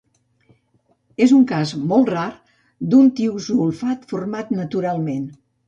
És un cas molt rar d'un tiosulfat format naturalment.